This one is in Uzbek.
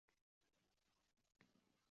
Kompaniya bunga javob qaytardi